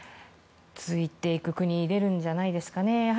続いていく国出るんじゃないですかね。